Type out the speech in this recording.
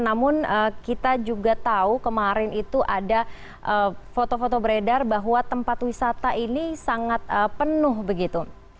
namun kita juga tahu kemarin itu ada foto foto beredar bahwa tempat wisata ini sangat penuh begitu